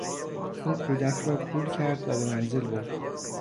او کودک را کول کرد و به منزل برد.